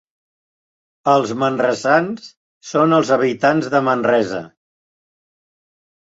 Els manresans són els habitants de Manresa.